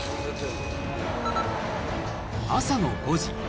朝の５時。